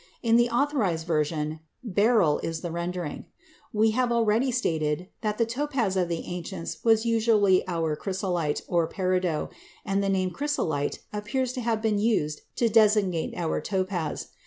In the Authorized Version, "beryl" is the rendering. We have already stated that the topaz of the ancients was usually our chrysolite, or peridot, and the name "chrysolite" appears to have been used to designate our topaz.